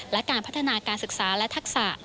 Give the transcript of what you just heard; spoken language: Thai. และการพัฒนาการศึกษาและทักษะ